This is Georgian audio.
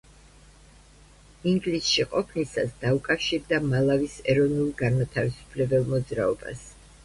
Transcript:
ინგლისში ყოფნისას დაუკავშირდა მალავის ეროვნულ-განმათავისუფლებელ მოძრაობას.